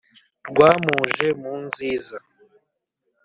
rwamuje mu nziza